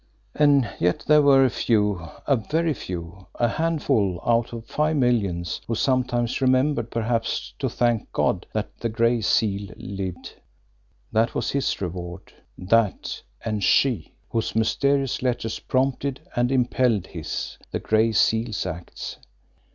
And yet there were a few, a very few, a handful out of five millions, who sometimes remembered perhaps to thank God that the Gray Seal lived that was his reward. That and SHE, whose mysterious letters prompted and impelled his, the Gray Seal's, acts!